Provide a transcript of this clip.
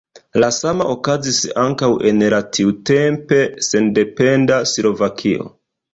La sama okazis ankaŭ en la tiutempe sendependa Slovakio.